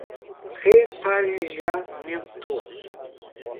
retalhamento